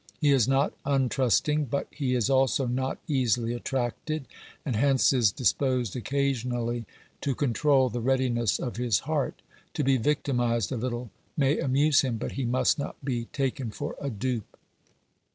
He is not untrust ing, but he is also not easily attracted, and hence is disposed occasionally to control the readiness of his heart ; to be victimised a little may amuse him, but he must not be taken for a dupe.